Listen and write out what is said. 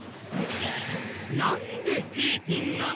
なんでフィリピンなの？